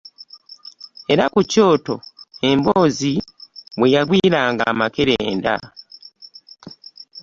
Era ku kyoto emboozi kwe yagwiranga amakerenda.